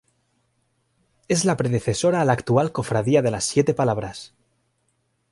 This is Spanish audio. Es la predecesora a la actual Cofradía de las Siete Palabras.